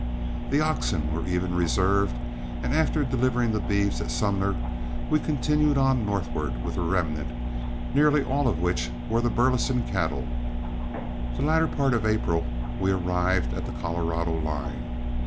The oxen were even reserved, and after delivering the beeves at Sumner we continued on northward with the remnant, nearly all of which were the Burleson cattle. The latter part of April we arrived at the Colorado line.